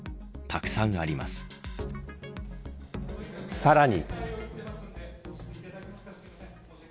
さらに。